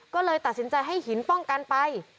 ก็เลยตัดสินใจให้หินป้องกันไป